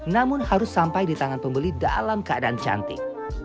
namun harus sampai di tangan pembeli dalam keadaan cantik